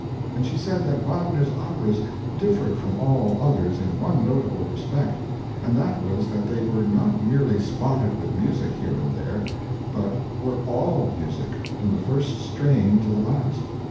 And she said that Wagner's operas differed from all others in one notable respect, and that was that they were not merely spotted with music here and there, but were ALL music, from the first strain to the last.